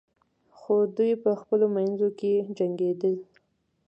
خو دوی په خپلو منځو کې جنګیدل.